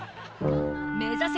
目指せ